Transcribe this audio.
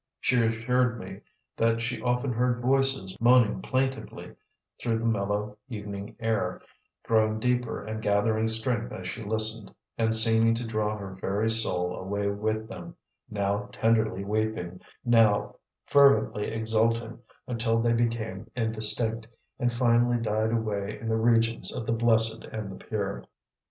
She assured me that she often heard voices moaning plaintively through the mellow evening air, growing deeper and gathering strength as she listened, and seeming to draw her very soul away with them; now tenderly weeping, now fervently exulting, until they became indistinct, and finally died away in the regions of the blessed and the pure.